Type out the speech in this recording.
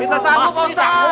kita sanggup pak ustadz